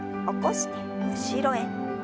起こして後ろへ。